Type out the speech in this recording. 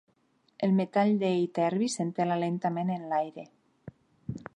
El metall de iterbi s'entela lentament en l'aire.